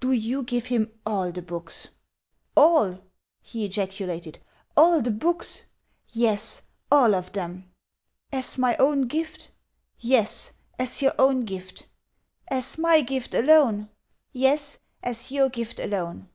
"Do you give him all the books." "ALL?" he ejaculated. "ALL the books?" "Yes, all of them." "As my own gift?" "Yes, as your own gift." "As my gift alone?" "Yes, as your gift alone."